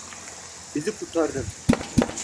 Bizi kurtardın.